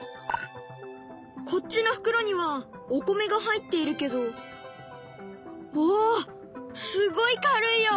こっちの袋にはお米が入っているけどおおすごい軽いよ！